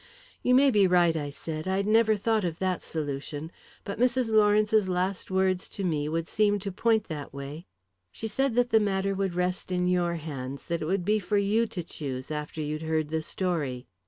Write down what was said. "You may be right," I said. "I'd never thought of that solution, but Mrs. Lawrence's last words to me would seem to point that way. She said that the matter would rest in your hands that it would be for you to choose, after you'd heard the story."